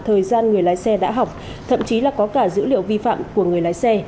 thời gian người lái xe đã học thậm chí là có cả dữ liệu vi phạm của người lái xe